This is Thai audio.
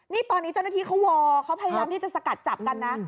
นี่ตอนนี้เจ้าหน้าที่เขาวอลเขาพยายามที่จะสกัดจับกันนะ